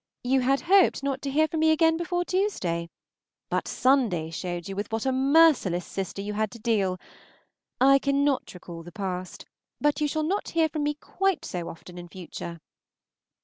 You had hoped not to hear from me again before Tuesday, but Sunday showed you with what a merciless sister you had to deal. I cannot recall the past, but you shall not hear from me quite so often in future.